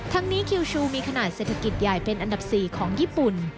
นี้คิวชูมีขนาดเศรษฐกิจใหญ่เป็นอันดับ๔ของญี่ปุ่น